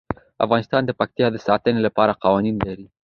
افغانستان د پکتیا د ساتنې لپاره قوانین لري.